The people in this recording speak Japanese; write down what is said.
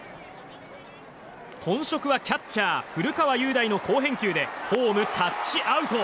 本職はキャッチャー古川裕大の変化球でホームタッチアウト！